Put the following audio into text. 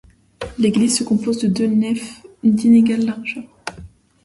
L'église se compose de deux nefs d'inégale largeur.